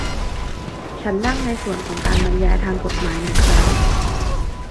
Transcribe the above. ฉันนั่งในส่วนของการบรรยายทางกฎหมายหนึ่งครั้ง